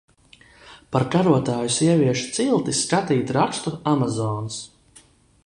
Par karotāju sieviešu cilti skatīt rakstu Amazones.